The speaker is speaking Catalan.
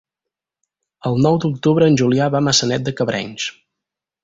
El nou d'octubre en Julià va a Maçanet de Cabrenys.